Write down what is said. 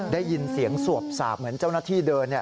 ได้ยินเสียงสวบสาบเหมือนเจ้าหน้าที่เดิน